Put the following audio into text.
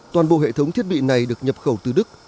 toàn bộ hệ thống thiết bị này được nhập khẩu từ đức